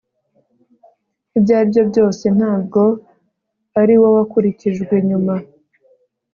ibyo aribyo byose ntabwo ari wo wakurikijwe nyuma